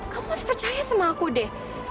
kamu masih percaya sama aku deh